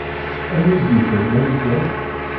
Anwa i d-yufan Marikan?